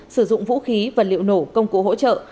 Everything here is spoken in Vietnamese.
sử dụng vũ khí vật liệu nổ công cụ hỗ trợ